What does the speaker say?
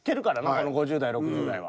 この５０代・６０代は。